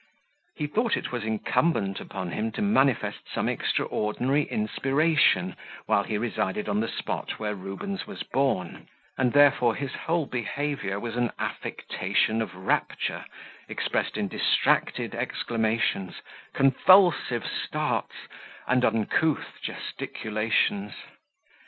He thought it was incumbent upon him to manifest some extraordinary inspiration, while he resided on the spot where Rubens was born; and, therefore, his whole behaviour was an affectation of rapture, expressed in distracted exclamations, convulsive starts, and uncouth gesticulations.